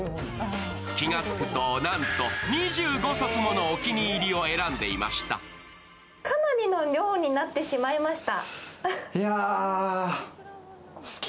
気がつくと、なんと２５足ものお気に入りを選んでいました。